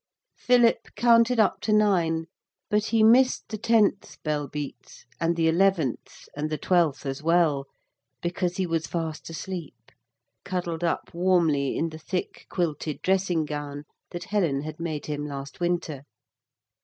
Philip counted up to nine, but he missed the tenth bell beat, and the eleventh and the twelfth as well, because he was fast asleep cuddled up warmly in the thick quilted dressing gown that Helen had made him last winter.